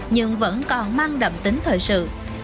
nhưng vẫn còn mang đậm tính thời sự